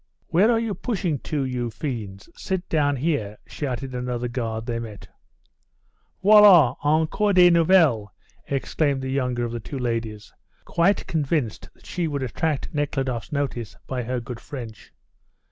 "Where are you pushing to, you fiends? Sit down here," shouted another guard they met. "Voila encore des nouvelles," exclaimed the younger of the two ladies, quite convinced that she would attract Nekhludoff's notice by her good French.